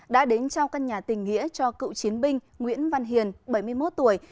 đã đến trao căn nhà tình nghĩa cho cựu chiến binh nguyễn văn hiền bảy mươi một tuổi